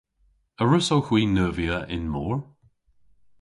A wrussowgh hwi neuvya y'n mor?